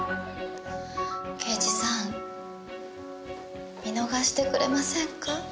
刑事さん見逃してくれませんか？